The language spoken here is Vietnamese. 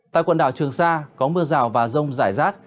tại quần đảo trường sa có mưa rào và rông rải rác